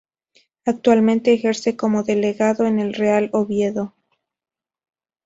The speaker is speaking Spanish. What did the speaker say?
Actualmente ejerce como delegado en el Real Oviedo.